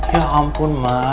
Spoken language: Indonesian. ya ampun ma